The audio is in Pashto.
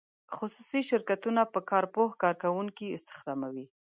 خصوصي شرکتونه په کار پوه کارکوونکي استخداموي.